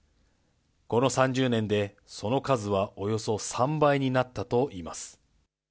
この３０年で、その数はおよそ３倍になったといいます。